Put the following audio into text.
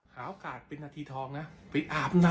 ถึงกันสิงห์กรกฎกุม